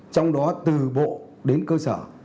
trong đó từ bộ đến cơ sở